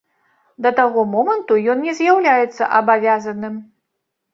Да таго моманту ён не з'яўляецца абавязаным.